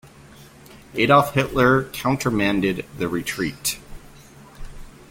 Adolf Hitler countermanded the retreat.